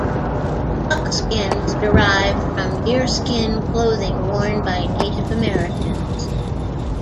Buckskins derive from deerskin clothing worn by Native Americans.